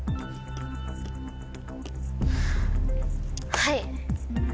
はい！